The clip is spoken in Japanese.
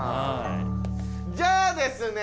じゃあですね